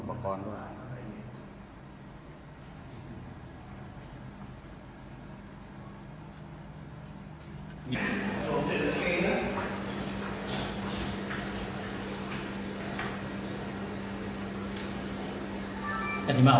สร้างการติดต่อหัว